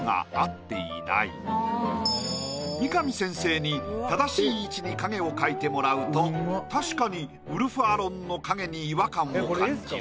三上先生に正しい位置に影を描いてもらうと確かにウルフアロンの影に違和感を感じる。